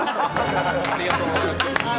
ありがとうございます！